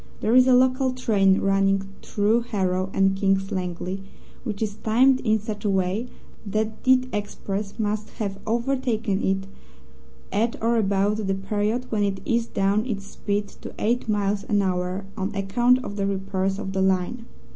There is a local train running through Harrow and King's Langley, which is timed in such a way that the express must have overtaken it at or about the period when it eased down its speed to eight miles an hour on account of the repairs of the line.